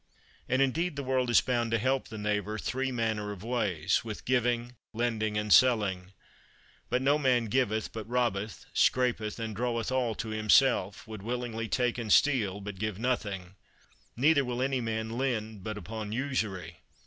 And indeed the world is bound to help the neighbour three manner of ways—with giving, lending, and selling. But no man giveth, but robbeth, scrapeth, and draweth all to himself; would willingly take and steal, but give nothing; neither will any man lend but upon usury.